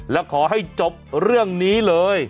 แล้วขอให้จบเรื่องนี้เลย